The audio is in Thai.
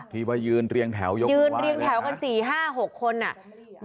ที่ยืนเรียงแถวกัน๔๕๖คนอ่ะ